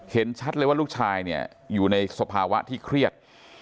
เห็นชัดเลยว่าลูกชายเนี่ยอยู่ในสภาวะที่เครียด